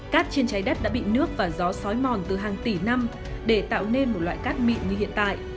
cát trên trái đất đã bị nước và gió sói mòn từ hàng tỷ năm để tạo nên một loại cát mịn như hiện tại